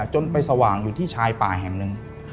จนไปสว่างอยู่ที่ชายป่าแห่งหนึ่ง